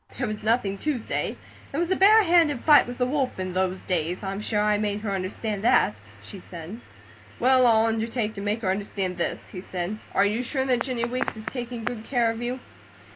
There was nothing to say. It was a bare handed fight with the wolf in those days. I'm sure I made her understand that," she said. "Well, I'll undertake to make her understand this," he said. "Are you sure that Jennie Weeks is taking good care of you?"